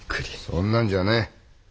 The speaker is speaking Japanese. そんなんじゃねえ。